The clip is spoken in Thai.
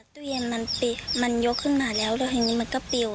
ตู้เย็นมันยกขึ้นมาแล้วแล้วทีนี้มันก็ปิว